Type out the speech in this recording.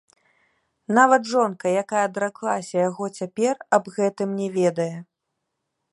Нават жонка, якая адраклася яго цяпер, аб гэтым не ведае.